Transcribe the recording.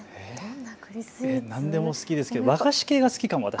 何でも好きですけど和菓子系が好きかも。